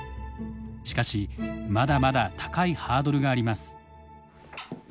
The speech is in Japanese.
しかしまだまだ高いハードルがあります。